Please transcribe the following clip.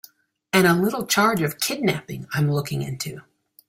And a little charge of kidnapping I'm looking into.